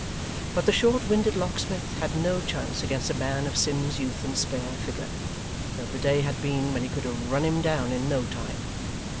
But the short winded locksmith had no chance against a man of Sim's youth and spare figure, though the day had been when he could have run him down in no time.